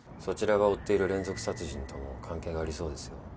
そちらが追っている連続殺人とも関係がありそうですよ。